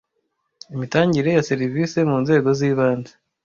imitangire ya serivisi mu nzego zibanze